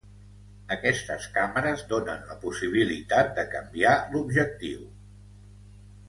Aquestes càmeres donen la possibilitat de canviar l'objectiu.